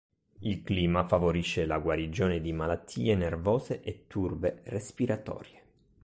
Il clima favorisce la guarigione di malattie nervose e turbe respiratorie.